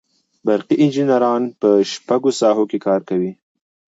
برقي انجینران په شپږو ساحو کې کار کوي.